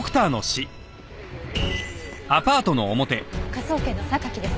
科捜研の榊です。